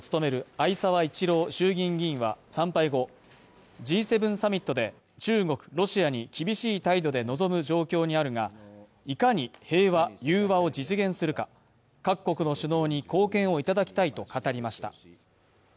逢沢一郎衆議院議員は参拝後、Ｇ７サミットで中国・ロシアに厳しい態度で臨む状況にあるが、いかに平和・融和を実現するか各国の首脳に貢献をいただきたいと語りました